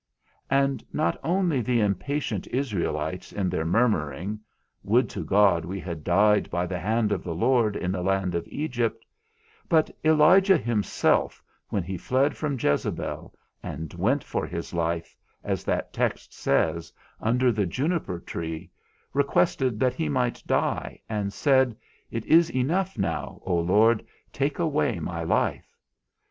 _ And not only the impatient Israelites in their murmuring (would to God we had died by the hand of the Lord in the land of Egypt), but Elijah himself, when he fled from Jezebel, and went for his life, as that text says, under the juniper tree, requested that he might die, and said, It is enough now, O Lord, take away my life.